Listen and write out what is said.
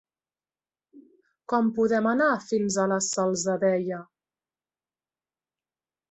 Com podem anar fins a la Salzadella?